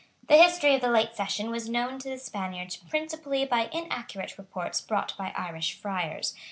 The history of the late session was known to the Spaniards principally by inaccurate reports brought by Irish friars.